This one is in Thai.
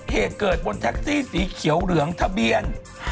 เหตุเกิดบนแท็กซี่สีเขียวเหลืองทะเบียน